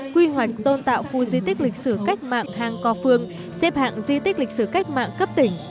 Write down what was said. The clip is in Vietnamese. quy hoạch tôn tạo khu di tích lịch sử cách mạng hang co phương xếp hạng di tích lịch sử cách mạng cấp tỉnh